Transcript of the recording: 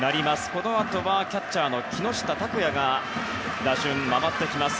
このあとはキャッチャーの木下拓哉に打順が回ってきます。